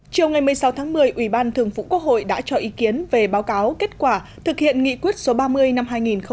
chiều ngày một mươi sáu tháng một mươi ủy ban thường vụ quốc hội đã cho ý kiến về báo cáo kết quả thực hiện nghị quyết số ba mươi năm hai nghìn một mươi chín